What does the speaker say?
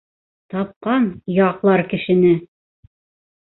Тапҡан яҡлар кешене!